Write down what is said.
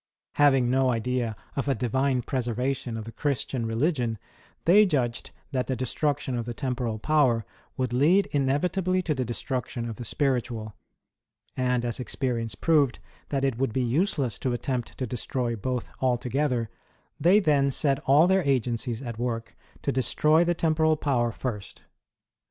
Having no idea of a divine preservation of the Christian religion, they judged that the destruction of the temporal power would lead inevitably to the destruction of the spiritual ; and as experience proved that it would be useless to attempt to destroy both altogether, they then set all their agencies at work to destroy the temporal power first.